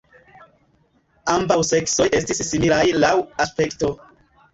Ambaŭ seksoj estis similaj laŭ aspekto.